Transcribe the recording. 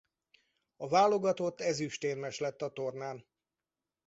A válogatott ezüstérmes lett a tornán.